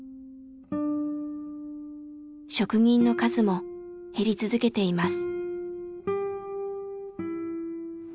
職人の数も減り続けています。